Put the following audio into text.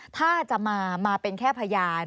ถ้าจะมาเป็นแค่พยาน